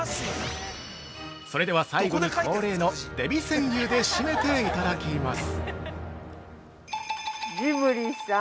それでは、最後に恒例のデヴィ川柳で締めていただきます。